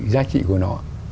giá trị của nó